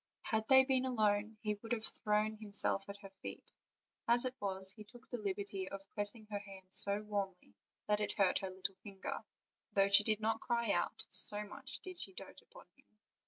Had they been alone he would have thrown himself at her feet; as it was, he took the liberty of pressing her hand so warmly that he hurt her little finger, though she did not cry out, so much did she dote upon him.